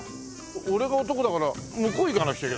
俺が男だから向こう行かなくちゃいけない。